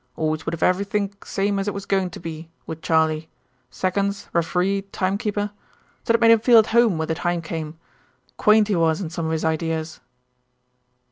Always would have everythink same as it was goin' to be, would Charley seconds, referee, timekeeper. Said it made him feel at home when the time came. Quaint he was in some of his ideas."